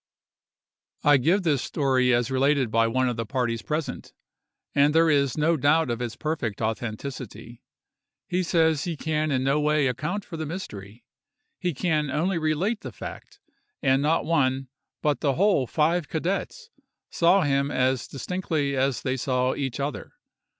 I give this story as related by one of the parties present, and there is no doubt of its perfect authenticity. He says he can in no way account for the mystery—he can only relate the fact; and not one, but the whole five cadets, saw him as distinctly as they saw each other.